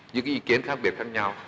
những ý kiến khác biệt khác nhau